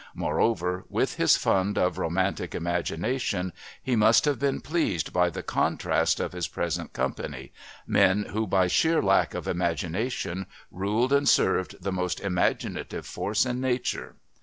Moreover, with his fund of romantic imagination, he must have been pleased by the contrast of his present company, men who, by sheer lack of imagination, ruled and served the most imaginative force in nature.